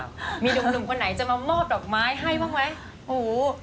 มีดุงคนไหนจะมามอบดอกไม้ให้บ้างไหม